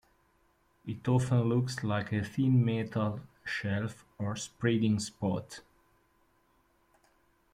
It often looks like a thin metal shelf or spreading spot.